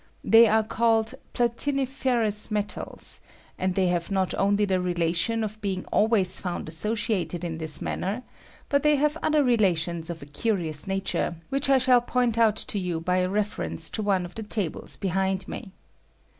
They are called platiniferous met als ; and they have not only the relation of be ing always found associated in this manner, but they have other relations of a curious nature, which I shall point out to you by a reference to one of the tables behind me.